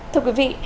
thưa quý vị